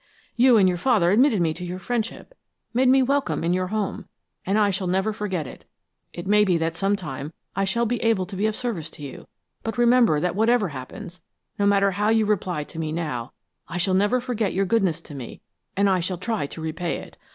You and your father admitted me to your friendship, made me welcome in your home, and I shall never forget it. It may be that some time I shall be able to be of service to you, but remember that whatever happens, no matter how you reply to me now, I shall never forget your goodness to me, and I shall try to repay it.